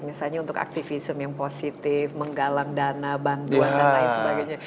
misalnya untuk aktivism yang positif menggalang dana bantuan dan lain sebagainya